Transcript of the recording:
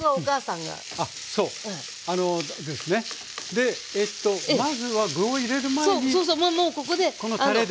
でまずは具を入れる前にこのたれで。